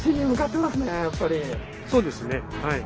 そうですねはい。